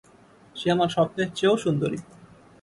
সে আমার স্বপ্নের চেয়েও সুন্দরী।